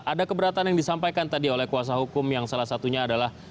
ada keberatan yang disampaikan tadi oleh kuasa hukum yang salah satunya adalah